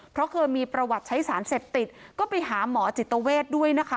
เพราะเคยมีประวัติใช้สารเสพติดก็ไปหาหมอจิตเวทด้วยนะคะ